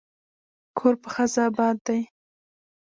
کور په ښځه اباد دی.